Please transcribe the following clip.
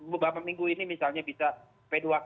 beberapa minggu ini misalnya bisa p dua puluh satu